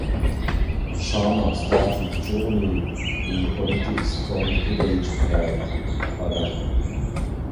Sharma started his journey in politics from the village head (Pradhan).